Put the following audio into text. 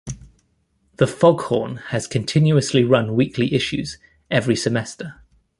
The "Foghorn" has continuously run weekly issues every semester.